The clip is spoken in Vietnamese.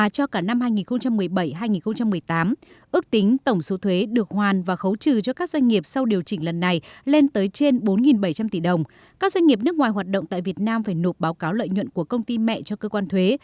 các doanh nghiệp nước ngoài hoạt động tại việt nam phải nộp báo cáo lợi nhuận của công ty mẹ cho cơ quan thuế